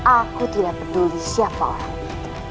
aku tidak peduli siapa orang itu